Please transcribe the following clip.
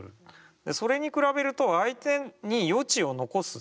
でそれに比べると相手に余地を残す。